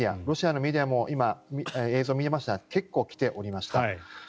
ロシアのメディアも今、映像が見えましたが結構来ておりました。